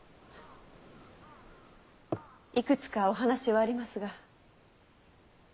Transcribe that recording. いくつかお話はありますが。